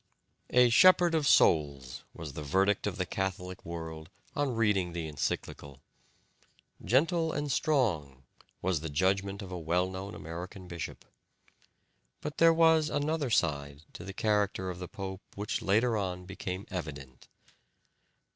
"A 'shepherd of souls' was the verdict of the Catholic world on reading the encyclical. 'Gentle and strong' was the judgement of a well known American bishop. But there was another side to the character of the pope which later on became evident.